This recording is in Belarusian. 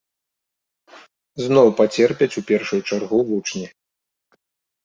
Зноў пацерпяць у першую чаргу вучні.